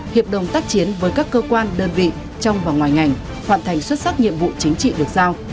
hiệp đồng tác chiến với các cơ quan đơn vị trong và ngoài ngành hoàn thành xuất sắc nhiệm vụ chính trị được giao